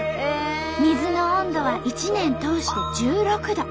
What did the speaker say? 水の温度は一年通して１６度。